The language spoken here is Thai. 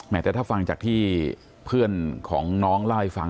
แต่ถ้าฟังจากที่เพื่อนของน้องเล่าให้ฟัง